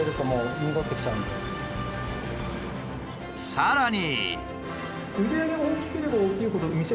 さらに。